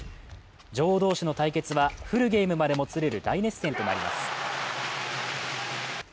女王同士の対決はフルゲームまでもつれる大熱戦となります。